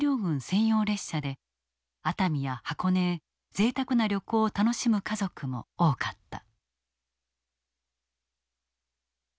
専用列車で熱海や箱根へぜいたくな旅行を楽しむ家族も多かった。